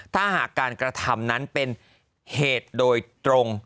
ถ้าหากการกระทำนั้นเป็นเหตุโดยตรง